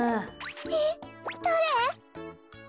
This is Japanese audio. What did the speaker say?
えっだれ？